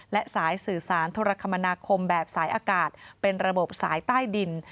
และสายสื่อสารโทรคมนาคมแบบสายอากาศเป็นระบบสายใต้ดิน